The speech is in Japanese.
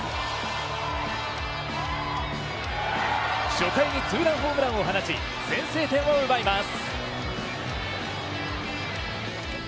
初回にツーランホームランを放ち先制点を奪います。